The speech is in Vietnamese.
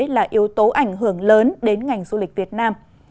là yếu tố ảnh hưởng lớn đến ngành du lịch việt nam